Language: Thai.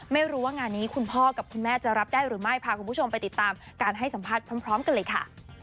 ไม่รู้ว่างานนี้คุณพ่อกับคุณแม่จะรับได้หรือไม่พาคุณผู้ชมไปติดตามการให้สัมภาษณ์พร้อมกันเลยค่ะ